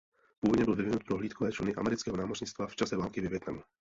Původně byl vyvinut pro hlídkové čluny amerického námořnictva v čase války ve Vietnamu.